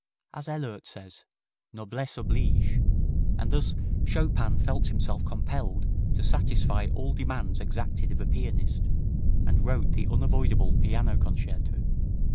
As Ehlert says, "Noblesse oblige and thus Chopin felt himself compelled to satisfy all demands exacted of a pianist, and wrote the unavoidable piano concerto.